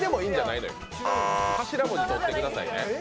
頭文字とってくださいね。